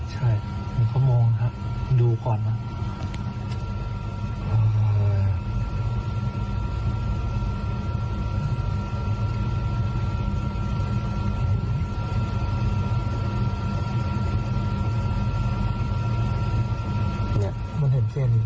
ใช่เหมือนเขามองนะครับดูก่อนนะ